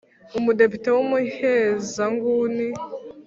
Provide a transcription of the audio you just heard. umudepite w’ umuhezanguni